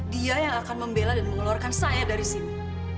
dia yang akan membela dan mengeluarkan saya dari sini